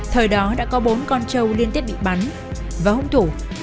thời đó đã có bốn con trâu liên tiếp bị bắn và hỗn thủ